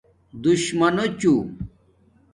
دُشمنچُݸ